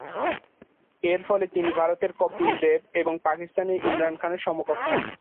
এরফলে তিনি ভারতের কপিল দেব এবং পাকিস্তানের ইমরান খানের সমকক্ষ হন।